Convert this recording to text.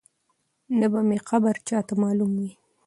نه به مي قبر چاته معلوم وي